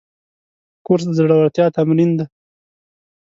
کورس د زړورتیا تمرین دی.